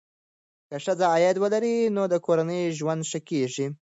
که ښځه عاید ولري، نو د کورنۍ ژوند ښه کېږي.